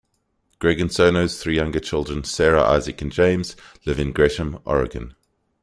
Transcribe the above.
Gregg and Sono's three younger children Sarah, Isaac, and James live in Gresham, Oregon.